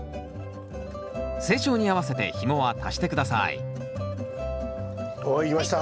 成長に合わせてひもは足して下さいおいきました。